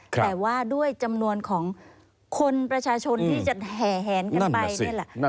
แต่ว่าด้วยจำนวนของคนประชาชนที่จะแห่แหนกันไปนี่แหละ